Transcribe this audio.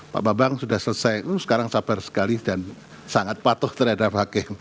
pak bambang sudah selesai sekarang sabar sekali dan sangat patuh terhadap hakim